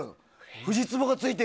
フジツボがついてる。